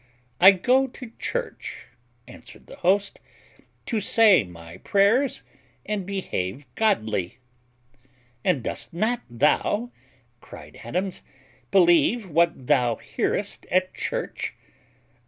"I go to church," answered the host, "to say my prayers and behave godly." "And dost not thou," cried Adams, "believe what thou hearest at church?"